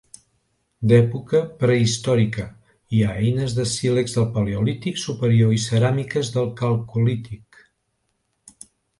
D'època prehistòrica, hi ha eines de sílex del paleolític superior i ceràmiques del calcolític.